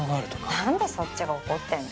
何でそっちが怒ってんの？